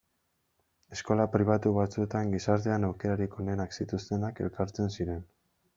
Eskola pribatu batzuetan gizartean aukerarik onenak zituztenak elkartzen ziren.